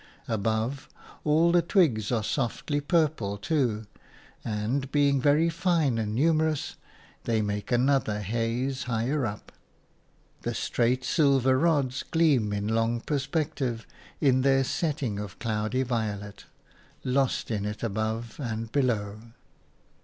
Above, all the twigs are softly purple too, and, being very fine and numerous, they make another haze higher up. The straight silver rods gleam in long perspective in their setting of cloudy violet, lost in it above and below.